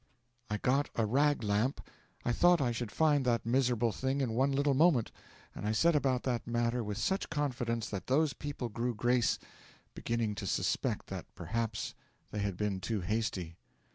'I got a rag lamp. I thought I should find that miserable thing in one little moment; and I set about that matter with such confidence that those people grew grave, beginning to suspect that perhaps they had been too hasty.